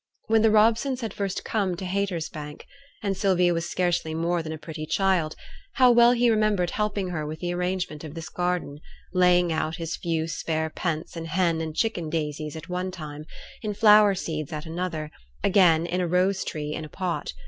When the Robsons had first come to Haytersbank, and Sylvia was scarcely more than a pretty child, how well he remembered helping her with the arrangement of this garden; laying out his few spare pence in hen and chicken daisies at one time, in flower seeds at another; again in a rose tree in a pot.